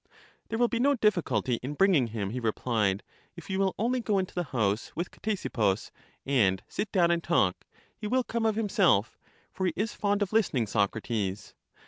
There will be no difficulty in bringing him, he re plied ; if you will only go into the house with Ctesip pus, and sit down and talk, he will come of himself; for he is fond of listening, Socrates.